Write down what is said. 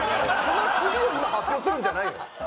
この次を今発表するんじゃないの？